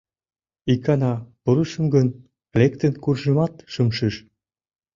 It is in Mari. Икана пурышым гын, лектын куржмемат шым шиж.